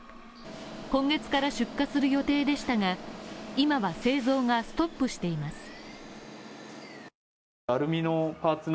今月から出荷する予定でしたが、今は製造がストップしています。